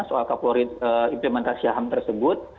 soal implementasi ham tersebut